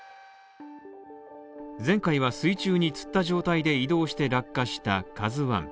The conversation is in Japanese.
前回は水中につった状態で移動して落下した「ＫＡＺＵ１」。